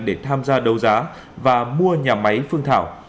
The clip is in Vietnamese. để tham gia đấu giá và mua nhà máy phương thảo